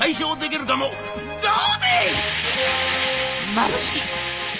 「まぶしい！」。